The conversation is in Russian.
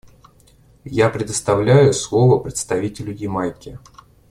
Я предоставляю слово представителю Ямайки.